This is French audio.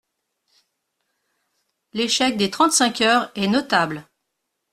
L’échec des trente-cinq heures est notable.